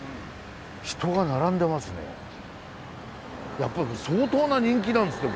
やっぱり相当な人気なんですね